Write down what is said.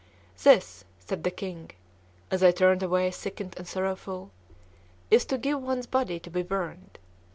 "This," said the King, as I turned away sickened and sorrowful, "is to give one's body to be burned.